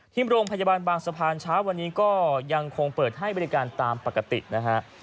ที่โรงพยาบาลบางสะพานเช้าวันนี้ก็ยังคงเปิดให้บริการตามปกตินะฮะ